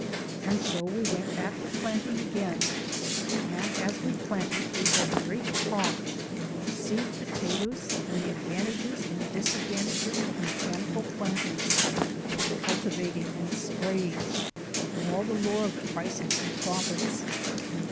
And so we went at the planting again: and as we planted we had great talk of seed potatoes and the advantages and disadvantages of mechanical planters, of cultivating and spraying, and all the lore of prices and profits.